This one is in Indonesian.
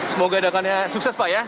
semoga ajakannya sukses pak ya